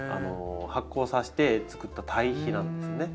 発酵させてつくった堆肥なんですね。